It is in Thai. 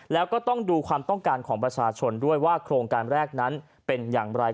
แล้วก็ต้องดูความต้องการของประชาชนด้วยว่าโครงการแรกนั้นเป็นอย่างไร